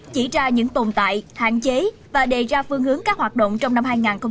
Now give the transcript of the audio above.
chỉ ra những tồn tại hạn chế và đề ra phương hướng các hoạt động trong năm hai nghìn hai mươi